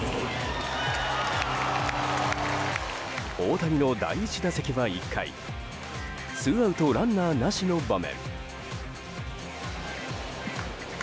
大谷の第１打席は１回ツーアウトランナーなしの場面。